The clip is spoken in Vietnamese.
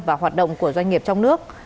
và hoạt động của doanh nghiệp trong nước